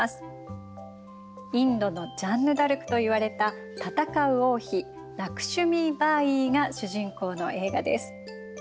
インドのジャンヌ・ダルクといわれた戦う王妃ラクシュミー・バーイーが主人公の映画です。